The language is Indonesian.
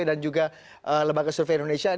dan juga lebangan survei indonesia